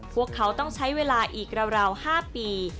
พวกเขาต้องใช้เวลาอีกราว๕ปี